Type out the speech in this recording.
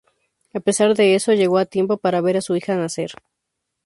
A pesar de eso, llegó a tiempo para ver a su hija nacer.